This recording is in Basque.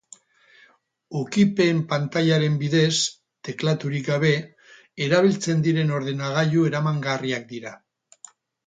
Ukipen-pantailaren bidez, teklaturik gabe, erabiltzen diren ordenagailu eramangarriak dira.